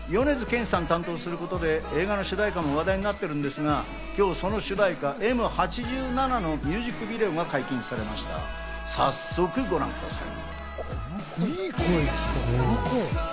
米津玄師さんが担当することで映画の主題歌も話題になっているんですが、今日、その主題歌『Ｍ八七』のミュージックビデオが解禁されまし早速ご覧ください。